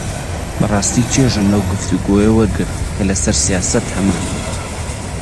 بەڕاستی چێژم لەو گفتوگۆیە وەرگرت کە لەسەر سیاسەت هەمانبوو.